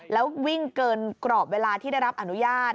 แล้ววิ่งเกินกรอบเวลาที่ได้รับอนุญาต